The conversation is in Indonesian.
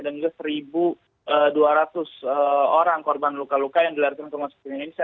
dan juga satu dua ratus orang korban luka luka yang dilarikan ke rumah sakit indonesia